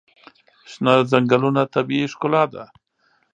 شنه ځنګلونه طبیعي ښکلا ده.